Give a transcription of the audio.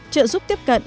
bốn trợ giúp tiếp cận